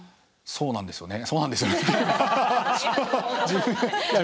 そうなんですよね。